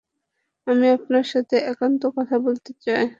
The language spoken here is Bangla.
আমি আপনার সাথে একান্তে কথা বলতে চাই।